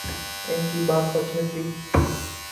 ان کی بات سچ نکلی۔